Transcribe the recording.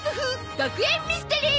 学園ミステリー！